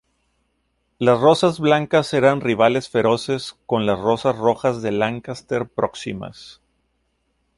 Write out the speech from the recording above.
Las Rosas Blancas eran rivales feroces con las Rosas Rojas de Lancaster próximas.